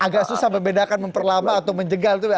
agak susah membedakan memperlama atau menjegal itu